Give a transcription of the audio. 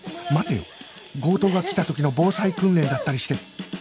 待てよ強盗が来た時の防災訓練だったりして